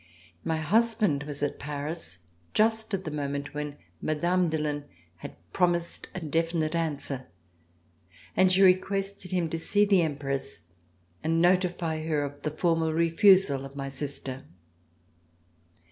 My husband was at Paris just at the moment when Mme. Dillon had promised a definite answer, and she requested him to see the Empress and notify her of the formal refusal of my sister.